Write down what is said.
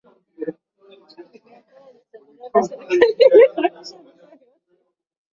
Mikoa imechaguliwa na serikali ili kuwakilisha mikoa yote